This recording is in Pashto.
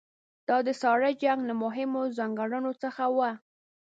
دا د ساړه جنګ له مهمو ځانګړنو څخه وه.